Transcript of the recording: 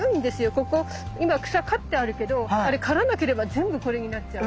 ここ今草刈ってあるけどあれ刈らなければ全部これになっちゃう。